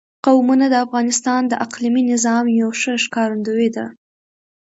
قومونه د افغانستان د اقلیمي نظام یوه ښه ښکارندوی ده.